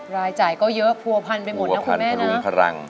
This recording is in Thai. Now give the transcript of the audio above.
รายจ่ายก็เยอะผัวพันไปหมดนะคุณแม่มีพลัง